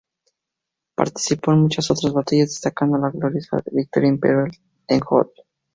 Participó en muchas otras batallas, destacando la gloriosa victoria imperial en Hoth.